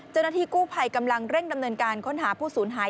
เจ้าหน้าที่กู้ภัยกำลังเร่งดำเนินการค้นหาผู้สูญหาย